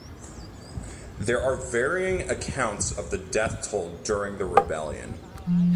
There are varying accounts of the death toll during the rebellion.